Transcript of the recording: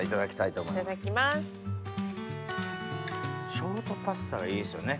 ショートパスタがいいですよね。